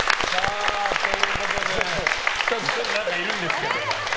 何かいるんですけど。